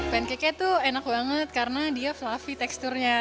panqueknya tuh enak banget karena dia fluffy teksturnya